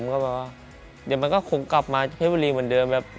เดี๋ยวมันก็คงกลับมาเป็นเหมือนเดิม